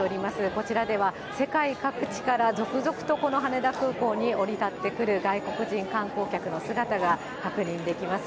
こちらでは世界各地から続々とこの羽田空港に降り立ってくる外国人観光客の姿が確認できます。